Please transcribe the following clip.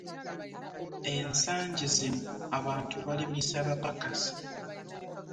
ensangj zino abantu balimisa bapakasi.